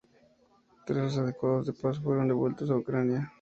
Tras los acuerdos de paz fueron devueltos a Ucrania.